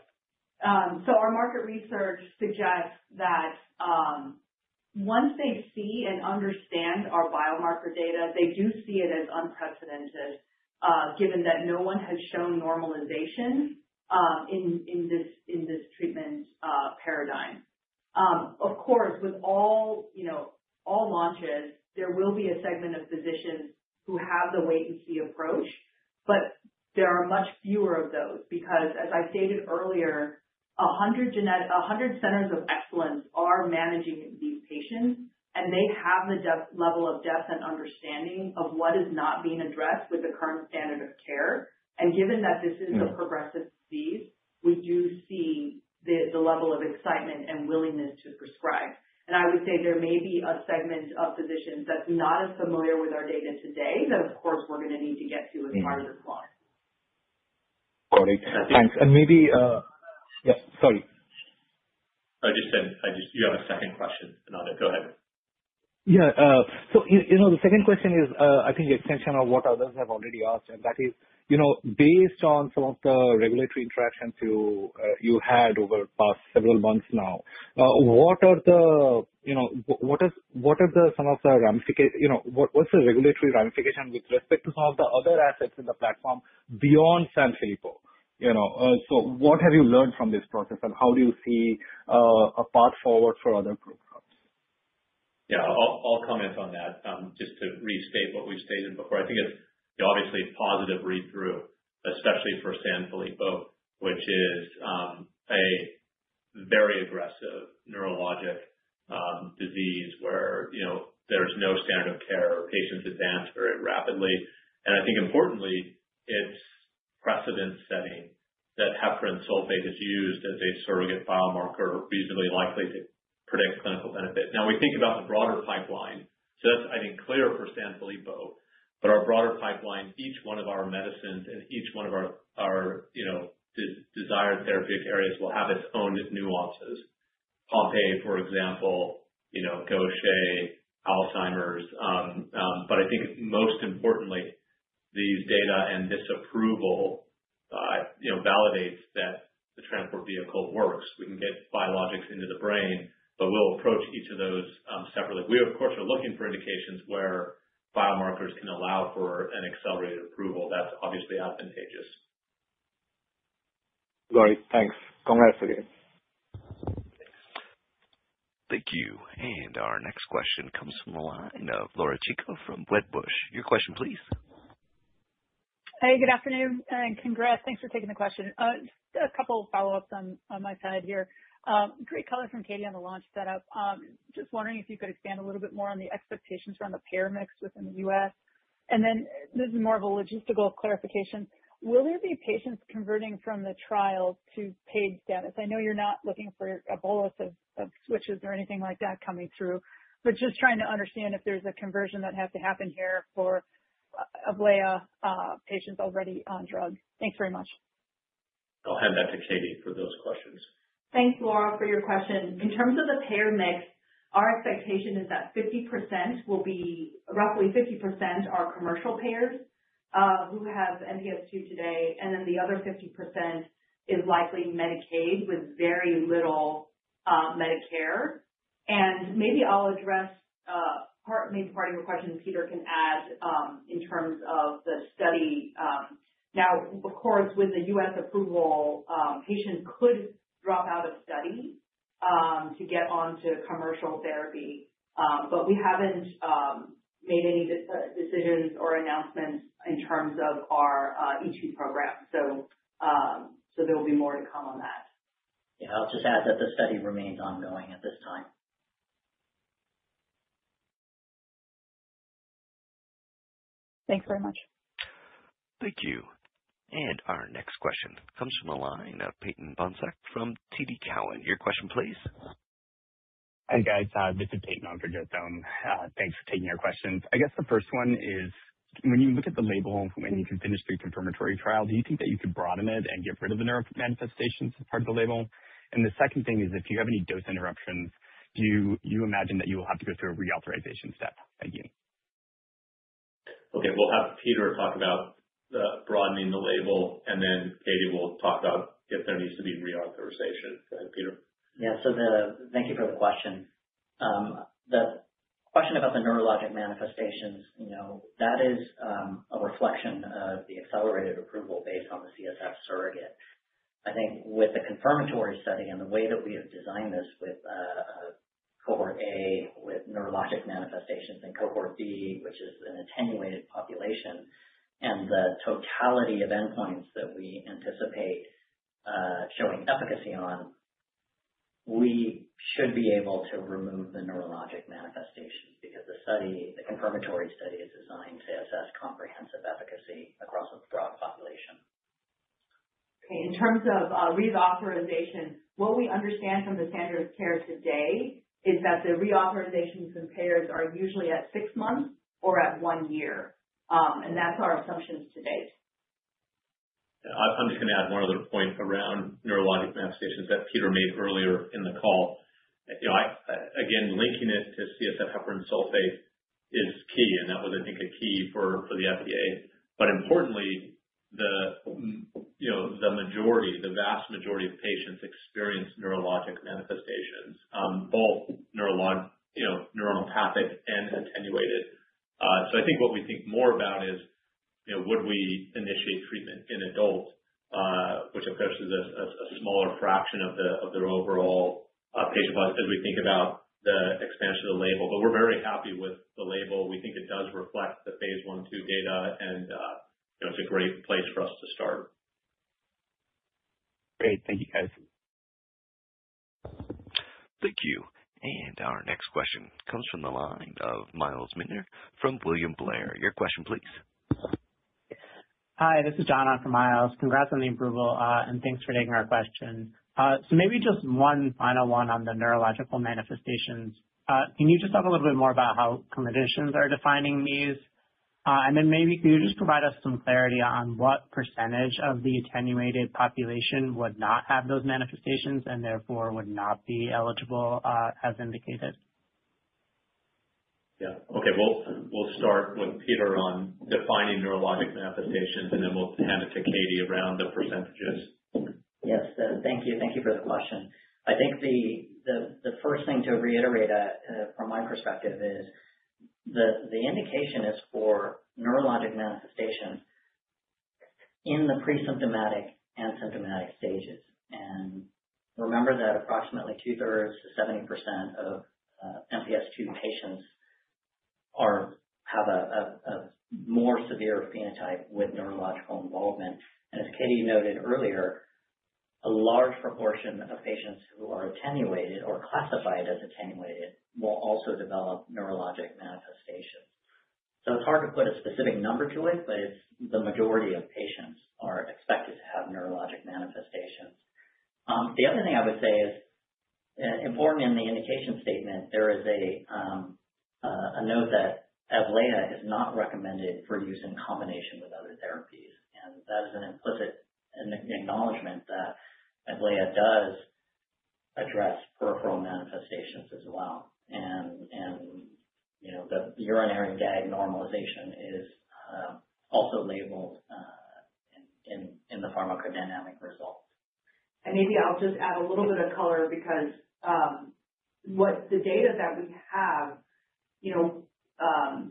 So our market research suggests that once they see and understand our biomarker data, they do see it as unprecedented, given that no one has shown normalization in this treatment paradigm. Of course, with all, you know, all launches, there will be a segment of physicians who have the wait and see approach, but there are much fewer of those because as I stated earlier, 100 centers of excellence are managing these patients, and they have the level of depth and understanding of what is not being addressed with the current standard of care. Given that this is a progressive disease, we do see the level of excitement and willingness to prescribe. I would say there may be a segment of physicians that's not as familiar with our data today that of course we're gonna need to get to as part of the launch. Got it. Thanks. Maybe, yes, sorry. I just said. You have a second question, Ananda. Go ahead. You know, the second question is, I think the extension of what others have already asked, and that is, you know, based on some of the regulatory interactions you had over past several months now, what are some of the ramifications, you know, what is the regulatory ramification with respect to some of the other assets in the platform beyond Sanfilippo? You know, what have you learned from this process, and how do you see a path forward for other programs? Yeah. I'll comment on that. Just to restate what we've stated before. I think it's obviously a positive read-through, especially for Sanfilippo, which is a very aggressive neurologic disease where, you know, there's no standard care. Patients advance very rapidly. I think importantly, it's precedent setting that heparan sulfate is used as a surrogate biomarker reasonably likely to predict clinical benefit. Now we think about the broader pipeline. That's I think clear for Sanfilippo. Our broader pipeline, each one of our medicines and each one of our, you know, desired therapeutic areas will have its own nuances. Pompe, for example, you know, Gaucher, Alzheimer's. I think most importantly these data and this approval, you know, validates that the transport vehicle works. We can get biologics into the brain, but we'll approach each of those separately. We of course are looking for indications where biomarkers can allow for an accelerated approval. That's obviously advantageous. Great. Thanks. Congrats again. Thank you. Our next question comes from the line of Laura Chico from Wedbush. Your question please. Hey, good afternoon and congrats. Thanks for taking the question. A couple of follow-ups on my side here. Great color from Katie on the launch setup. Just wondering if you could expand a little bit more on the expectations around the payer mix within the U.S. This is more of a logistical clarification. Will there be patients converting from the trial to paid status? I know you're not looking for a bolus of switches or anything like that coming through, but just trying to understand if there's a conversion that has to happen here for. Of AVLAYAH patients already on drug. Thanks very much. I'll hand that to Katie for those questions. Thanks, Laura, for your question. In terms of the payer mix, our expectation is that 50% will be roughly 50% are commercial payers who have MPS II today, and then the other 50% is likely Medicaid with very little Medicare. Maybe I'll address part of your question, and Peter can add in terms of the study. Now, of course, with the U.S. approval, patients could drop out of study to get onto commercial therapy. But we haven't made any decisions or announcements in terms of our E2 program. There will be more to come on that. Yeah. I'll just add that the study remains ongoing at this time. Thanks very much. Thank you. Our next question comes from the line of Peyton Bohnsack from TD Cowen. Your question, please. Hi, guys. This is Peyton on for Joe. Thanks for taking our questions. I guess the first one is, when you look at the label and you can finish the confirmatory trial, do you think that you could broaden it and get rid of the neuro manifestations part of the label? The second thing is, if you have any dose interruptions, do you imagine that you will have to go through a reauthorization step? Thank you. Okay. We'll have Peter talk about broadening the label, and then Katie will talk about if there needs to be reauthorization. Go ahead, Peter. Thank you for the question. The question about the neurologic manifestations, you know, that is a reflection of the accelerated approval based on the CSF surrogate. I think with the confirmatory study and the way that we have designed this with cohort A with neurologic manifestations and cohort B, which is an attenuated population, and the totality of endpoints that we anticipate showing efficacy on, we should be able to remove the neurologic manifestations. Because the study, the confirmatory study, is designed to assess comprehensive efficacy across a broad population. In terms of reauthorization, what we understand from the standard of care today is that the reauthorizations and payers are usually at six months or at one year, and that's our assumptions to date. I'm just gonna add one other point around neurologic manifestations that Peter made earlier in the call. You know, I, again, linking it to CSF heparan sulfate is key, and that was, I think, a key for the FDA. Importantly, the majority, the vast majority of patients experience neurologic manifestations, both neuropathic and attenuated. I think what we think more about is, you know, would we initiate treatment in adults, which of course is a smaller fraction of the overall patient body as we think about the expansion of the label. We're very happy with the label. We think it does reflect the phase I/II data and, you know, it's a great place for us to start. Great. Thank you, guys. Thank you. Our next question comes from the line of Myles Minter from William Blair. Your question please. Hi, this is John on for Myles. Congrats on the approval, and thanks for taking our question. Maybe just one final one on the neurological manifestations. Maybe can you just provide us some clarity on what percentage of the attenuated population would not have those manifestations and therefore would not be eligible, as indicated? Yeah. Okay. We'll start with Peter on defining neurologic manifestations, and then we'll hand it to Katie around the percentages. Yes. Thank you. Thank you for the question. I think the first thing to reiterate from my perspective is the indication is for neurologic manifestations in the pre-symptomatic and symptomatic stages. Remember that approximately 2/3-70% of MPS II patients have a more severe phenotype with neurological involvement. As Katie noted earlier, a large proportion of patients who are attenuated or classified as attenuated will also develop neurologic manifestations. It's hard to put a specific number to it, but the majority of patients are expected to have neurologic manifestations. The other thing I would say is important in the indication statement, there is a note that AVLAYAH is not recommended for use in combination with other therapies. That is an implicit acknowledgement that AVLAYAH does address peripheral manifestations as well. You know, the urinary GAG normalization is also labeled in the pharmacodynamic results. Maybe I'll just add a little bit of color because what the data that we have, you know,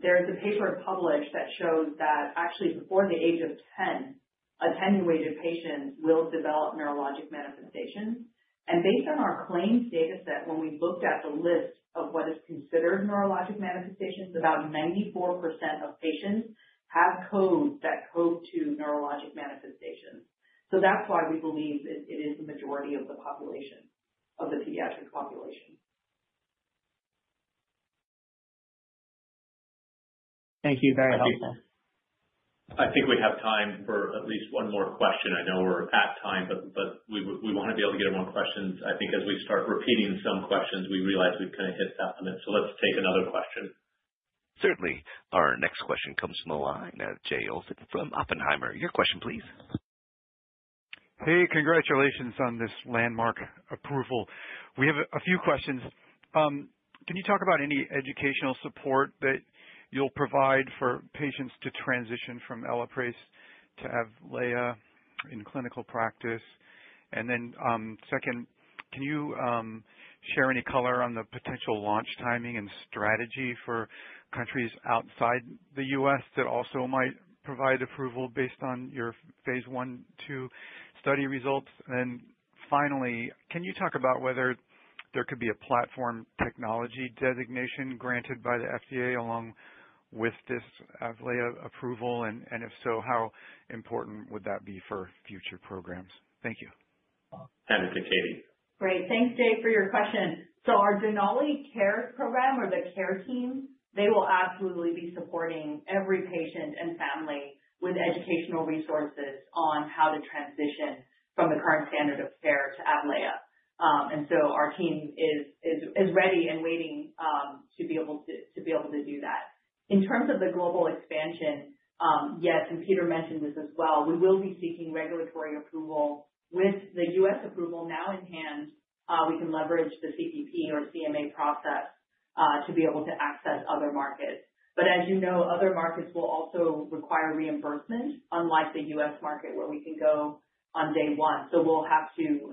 there is a paper published that shows that actually before the age of 10, attenuated patients will develop neurologic manifestations. Based on our claims dataset, when we looked at the list of what is considered neurologic manifestations, about 94% of patients have codes that code to neurologic manifestations. That's why we believe it is the majority of the population, of the pediatric population. Thank you. Very helpful. I think we have time for at least one more question. I know we're at time, but we wanna be able to get more questions. I think as we start repeating some questions, we realize we've kinda hit that limit. Let's take another question. Certainly. Our next question comes from the line. Jay Olson from Oppenheimer. Your question please. Hey, congratulations on this landmark approval. We have a few questions. Can you talk about any educational support that you'll provide for patients to transition from Elaprase to AVLAYAH in clinical practice? Second, can you share any color on the potential launch timing and strategy for countries outside the U.S. that also might provide approval based on your phase I/II study results? Finally, can you talk about whether there could be a platform technology designation granted by the FDA along with this AVLAYAH approval? And if so, how important would that be for future programs? Thank you. Hand it to Katie. Great. Thanks, Jay, for your question. Our Denali Care Program or the care team, they will absolutely be supporting every patient and family with educational resources on how to transition from the current standard of care to AVLAYAH. Our team is ready and waiting to be able to do that. In terms of the global expansion, Peter mentioned this as well, we will be seeking regulatory approval. With the U.S. approval now in hand, we can leverage the CPP or CMA process to be able to access other markets. As you know, other markets will also require reimbursement, unlike the U.S. market where we can go on day one. We'll have to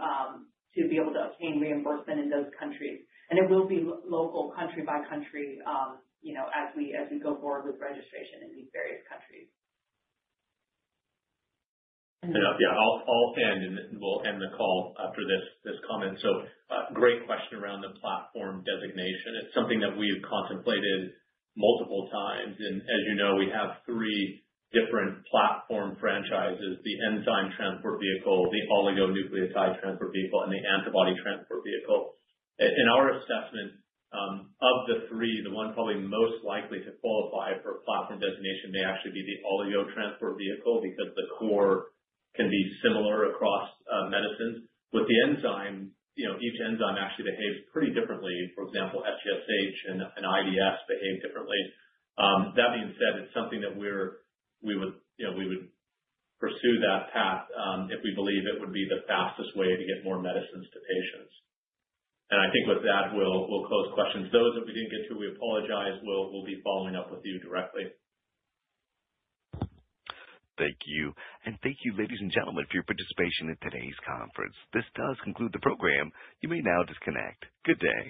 be able to obtain reimbursement in those countries. It will be local country by country, you know, as we go forward with registration in these various countries. Yeah, I'll end and we'll end the call after this comment. Great question around the platform designation. It's something that we have contemplated multiple times. As you know, we have three different platform franchises, the Enzyme Transport Vehicle, the Oligonucleotide Transport Vehicle, and the Antibody Transport Vehicle. In our assessment of the three, the one probably most likely to qualify for platform designation may actually be the oligo transport vehicle because the core can be similar across medicines. With the enzyme, you know, each enzyme actually behaves pretty differently. For example, SGSH and IDS behave differently. That being said, it's something that we would, you know, pursue that path if we believe it would be the fastest way to get more medicines to patients. I think with that, we'll close questions. Those that we didn't get to, we apologize. We'll be following up with you directly. Thank you. Thank you, ladies and gentlemen, for your participation in today's conference. This does conclude the program. You may now disconnect. Good day.